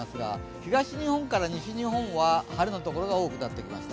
東日本から西日本は晴れのところが多くなってきました。